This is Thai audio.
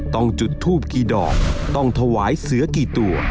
ต้องจุดทูบกี่ดอกต้องถวายเสือกี่ตัว